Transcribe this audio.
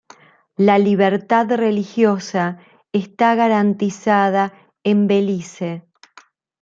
La libertad religiosa está garantizada en Belice.